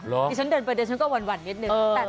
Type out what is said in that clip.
ที่ฉันเดินไปเดี๋ยวฉันก็หวั่นนิดนึง